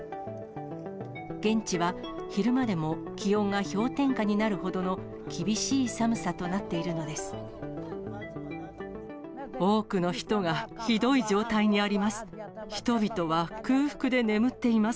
現地は、昼間でも気温が氷点下になるほどの厳しい寒さとなっているのです。